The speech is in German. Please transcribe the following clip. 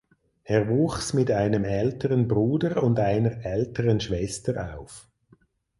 Er wuchs mit einem älteren Bruder und einer älteren Schwester auf.